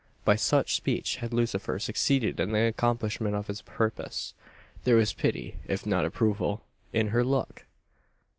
By such speech had Lucifer succeeded in the accomplishment of his purpose. There was pity, if not approval, in her look!